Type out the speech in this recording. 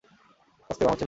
আস্তে, ও আমার ছেলে!